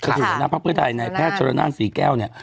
อยู่ในพักไพร์ไทยในแพทย์จรรย์นั้นสถี่แก้วเนี่ย